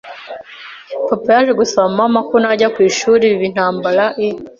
papa yaje gusaba mama ko najya ku ishuri biba intambara i